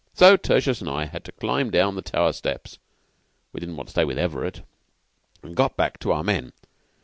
So Tertius and I had to climb down the tower steps (we didn't want to stay with Everett) and got back to our men.